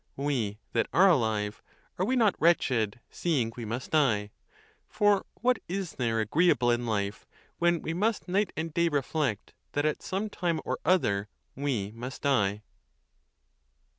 We that are alive, are we not wretched, seeing we must die? for what is there agreeable in life, when we must night and day reflect that, at some time or other, we' must die